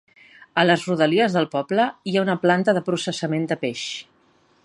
A les rodalies del poble, hi ha una planta de processament de peix.